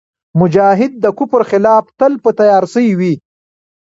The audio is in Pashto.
مجاهد د کفر خلاف تل په تیارسئ وي.